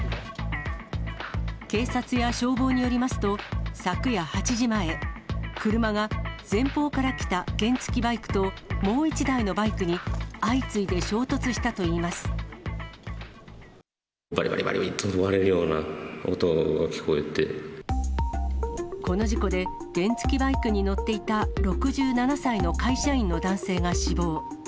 警察や消防によりますと、昨夜８時前、車が前方から来た原付きバイクと、もう１台のバイクに、相次いで衝ばりばりばりって割れるようこの事故で、原付きバイクに乗っていた６７歳の会社員の男性が死亡。